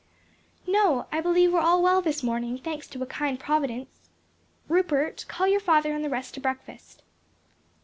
"No, I believe we are all well this morning thanks to a kind Providence. Rupert, call your father and the rest to breakfast."